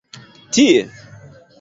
Tie?